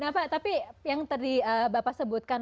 nah pak tapi yang tadi bapak sebutkan